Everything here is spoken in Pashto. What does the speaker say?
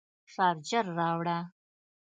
شارجر راوړه